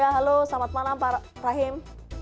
halo selamat malam pak rahim